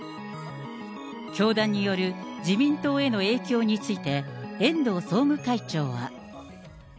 教団による自民党への影響について、遠藤総務会長は。